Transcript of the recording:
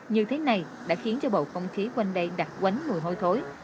như thế này đã khiến cho bầu không khí quanh đây đặc quánh mùi hôi thối